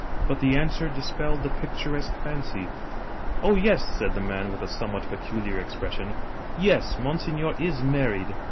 But the answer dispelled the picturesque fancy. "* Oh, yes,' said the man, with a somewhat peculiar ex pression. * Yes, Monseigneur is married.